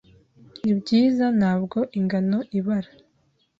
Nibyiza, ntabwo ingano ibara.